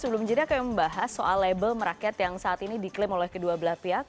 sebelum jadinya kami membahas soal label merakyat yang saat ini diklaim oleh kedua belah pihak